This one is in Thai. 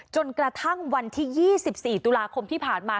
จนกระทั่งวันที่๒๔ตุลาคมที่ผ่านมา